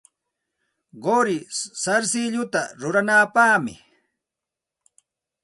Quri sarsilluta ruranapaqmi.